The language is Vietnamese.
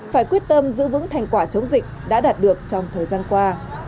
phải quyết tâm giữ vững thành quả chống dịch đã đạt được trong thời gian qua